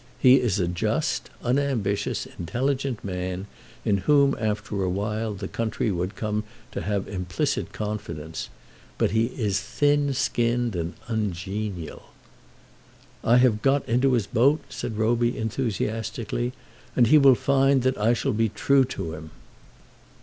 He is a just, unambitious, intelligent man, in whom after a while the country would come to have implicit confidence. But he is thin skinned and ungenial." "I have got into his boat," said Roby, enthusiastically, "and he will find that I shall be true to him."